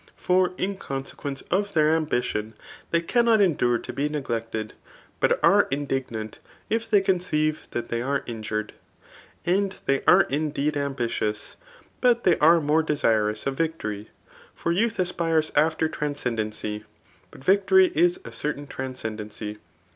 For in consequence of their ambition they cannot endure to be neglected, but are indignant if they conceive that tliey are injured. And they are indeed ambitious, but they are more desirous of victory ; for youth aspires afttf transcendency ; but victory is a certain transcendency.